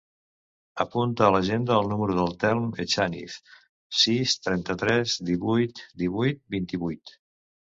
Apunta a l'agenda el número del Telm Echaniz: sis, trenta-tres, divuit, divuit, vint-i-vuit.